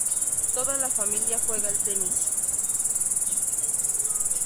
Toda la familia juega al tenis.